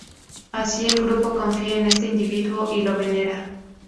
Así, el grupo confía en este individuo y lo venera.